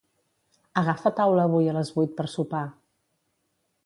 Agafa taula avui a les vuit per sopar.